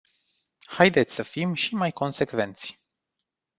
Haideți să fim și mai consecvenți.